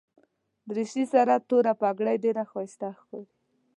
دریشي سره توره بګۍ ډېره ښایسته ښکاري.